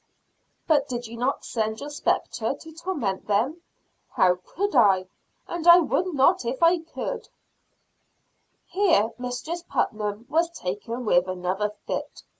"But did you not send your spectre to torment them?" "How could I? And I would not if I could." Here Mistress Putnam was taken with another fit.